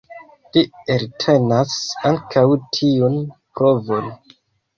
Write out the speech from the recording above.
Li eltenas ankaŭ tiun provon.